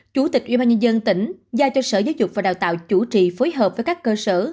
chủ tịch ubnd tỉnh giao cho sở giáo dục và đào tạo chủ trì phối hợp với các cơ sở